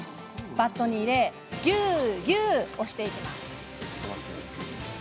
バットに入れぎゅうぎゅう押していきます。